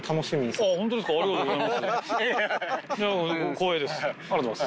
光栄ですありがとうございます。